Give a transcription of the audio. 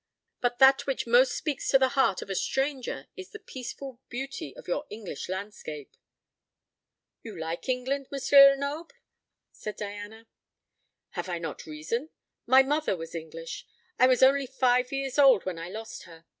But that which most speaks to the heart of a stranger is the peaceful beauty of your English landscape." "You like England, M. Lenoble?" said Diana. "Have I not reason? My mother was English. I was only five years old when I lost her.